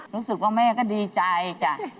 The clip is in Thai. รู้สึกว่าแม่ก็ดีใจจ้ะ